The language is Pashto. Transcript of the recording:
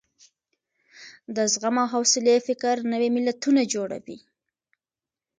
د زغم او حوصلې فکر نوي ملتونه جوړوي.